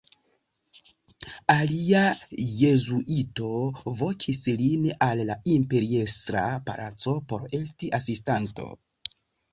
Alia jezuito vokis lin al la imperiestra palaco por esti asistanto.